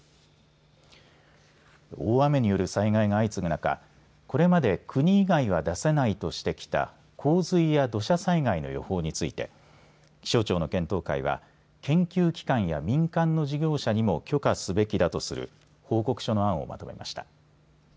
大雨による災害が相次ぐ中これまで国以外は出せないとしてきた洪水や土砂災害の予報について気象庁の検討会は研究機関や民間の事業者にも許可すべきだとする報告書の案をまとめました。